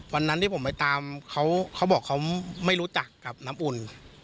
วันนั้นที่ผมไปตามเขาบอกเขาไม่รู้จักกับน้ำอุ่น